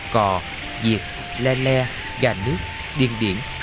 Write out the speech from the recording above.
cò diệt le le gà nước điền điển